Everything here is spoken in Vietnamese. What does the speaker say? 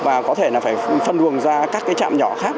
và có thể phải phân đường ra các trạm nhỏ khác